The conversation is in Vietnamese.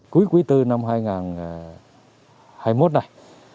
cuối quý bốn năm hai nghìn hai mươi một này